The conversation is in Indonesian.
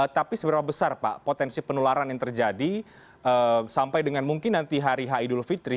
tapi seberapa besar pak potensi penularan yang terjadi sampai dengan mungkin nanti hari h idul fitri